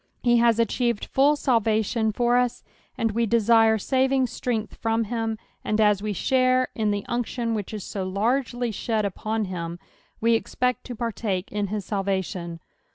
He has achieved full salvation (or ua, and we desire Easing strength from him, and as we share in the unction which is so largely shed upon hinl, we expect to partake in his salvation.